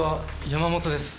山本です。